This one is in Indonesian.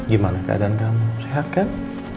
gimana keadaan kamu sehat kan